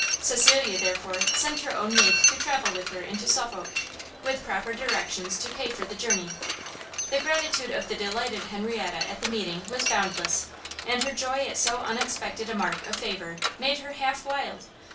Cecilia, therefore, sent her own maid to travel with her into Suffolk, with proper directions to pay for the journey. The gratitude of the delighted Henrietta at the meeting was boundless; and her joy at so unexpected a mark of favour made her half wild.